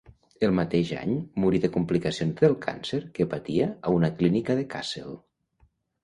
El mateix any morí de complicacions del càncer que patia a una clínica de Kassel.